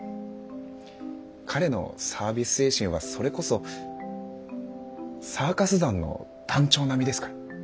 彼のサービス精神はそれこそサーカス団の団長並みですから。